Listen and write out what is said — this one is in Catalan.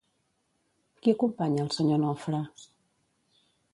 Qui acompanya al senyor Nofre?